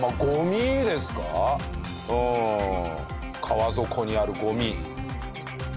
川底にあるゴミ。